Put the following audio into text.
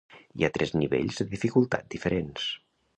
Hi ha tres nivells de dificultat diferents.